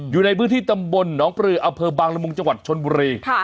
อยู่ในพื้นที่ตำบลหนองปรืออบังละมุงจชนบุรี